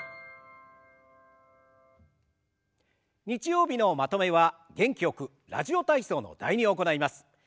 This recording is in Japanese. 日曜日のまとめは元気よく「ラジオ体操」の「第２」を行います。